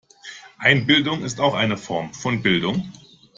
Einbildung ist auch eine Form von Bildung.